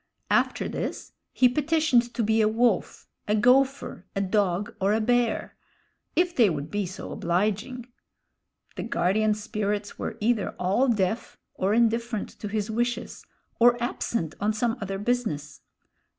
After this he petitioned to be a wolf, a gophir, a dog, or a bear if they would be so obliging. The guardian spirits were either all deaf, or indifferent to his wishes, or absent on some other business.